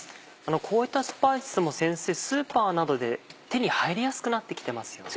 こういったスパイスも先生スーパーなどで手に入りやすくなってきてますよね。